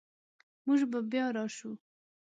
موږ به بیا راشو